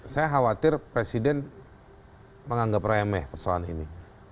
saya khawatir presiden menganggap remeh persoalan ini